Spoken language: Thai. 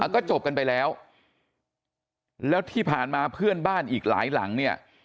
ก็จบกันไปแล้วแล้วที่ผ่านมาเพื่อนบ้านอีกหลายหลังเนี่ย